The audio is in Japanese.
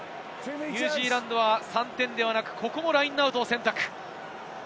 ニュージーランドは３点ではなく、ここもラインアウトを選択。